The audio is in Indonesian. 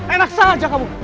enak salah aja kamu